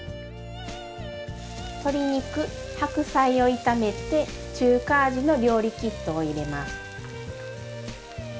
鶏肉白菜を炒めて中華味の料理キットを入れます。